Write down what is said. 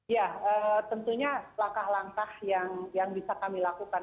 ya tentunya langkah langkah yang bisa kami lakukan